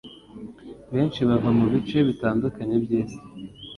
benshi bava mu bice bitandukanye by'isi.